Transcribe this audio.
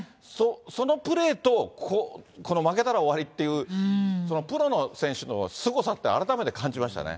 そのプレーと、この負けたら終わりっていう、プロの選手のすごさって、改めて感じましたね。